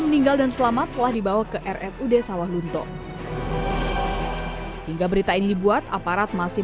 meninggal dan selamat telah dibawa ke rsud sawah lunto hingga berita ini dibuat aparat masih